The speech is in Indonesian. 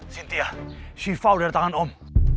sintia syifa udah datang om